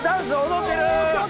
踊ってる！